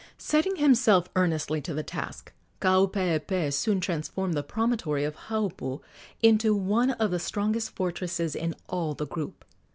Setting himself earnestly to the task, Kaupeepee soon transformed the promontory of Haupu into one of the strongest fortresses in all the group.